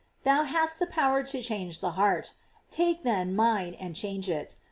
Thou hast the power to change the heart; take then mine and change it.